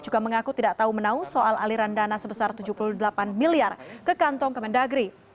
juga mengaku tidak tahu menau soal aliran dana sebesar tujuh puluh delapan miliar ke kantong kemendagri